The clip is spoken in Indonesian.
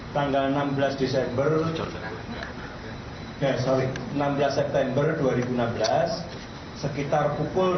tanggal enam belas desember dua ribu enam belas sekitar pukul dua puluh dua lima belas